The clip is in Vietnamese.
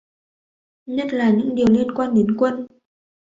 Nhất là những điều liên quan đến quân